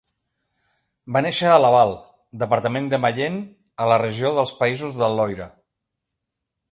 Va néixer a Laval, departament de Mayenne, a la regió dels Països del Loira.